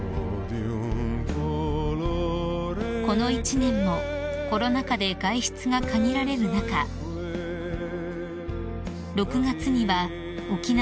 ［この一年もコロナ禍で外出が限られる中６月には沖縄復帰